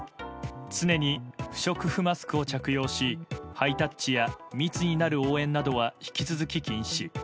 常に不織布マスクを着用しハイタッチや密になる応援は引き続き禁止。